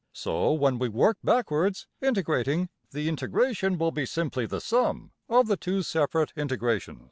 So, when we work backwards, integrating, the integration will be simply the sum of the two separate integrations.